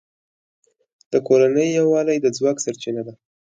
د کورنۍ یووالی د ځواک سرچینه ده.